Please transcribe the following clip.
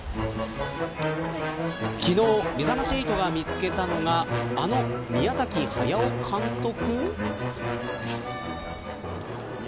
昨日めざまし８が見つけたのがあの宮崎駿監督。